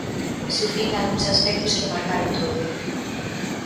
Sufrín nalgúns aspectos que o marcaron todo.